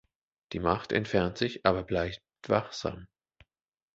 Die Macht entfernt sich, aber bleibt wachsam.